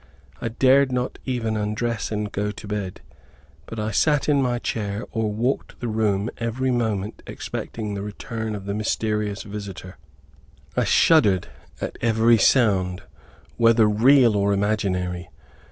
I dared not even undress and go to bed, but I sat in my chair, or walked the room every moment expecting the return of the mysterious visitor. I shuddered at every sound, whether real or imaginary.